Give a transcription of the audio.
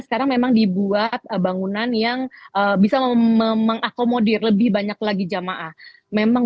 sekarang memang dibuat bangunan yang bisa mengakomodir lebih banyak lagi jamaah memang